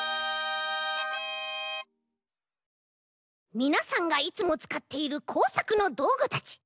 みなさんがいつもつかっているこうさくのどうぐたち。